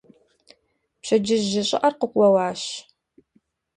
Пщэдджыжь жьы щӀыӀэр къыкъуэуащ.